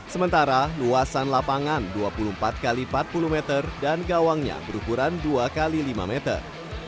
sementara luasan lapangan dua puluh empat x empat puluh meter dan gawangnya berukuran dua x lima meter